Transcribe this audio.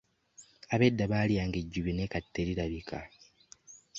Ab'edda baalyanga ejjobyo naye kati terirabika.